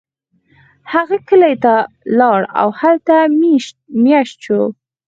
هغه کلی ته لاړ او هلته میشت شو.